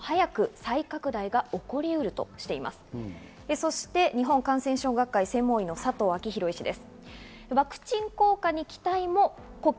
そして日本感染症学会専門医・佐藤昭裕医師です。